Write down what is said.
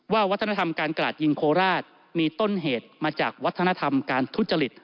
วัฒนธรรมการกราดยิงโคราชมีต้นเหตุมาจากวัฒนธรรมการทุจริต